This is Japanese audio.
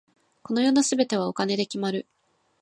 この世の全てはお金で決まる。